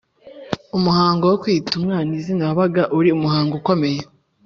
umuhango wo kwita umwana izina wabaga ari umuhango ukomeye